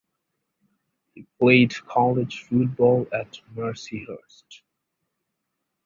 He played college football at Mercyhurst.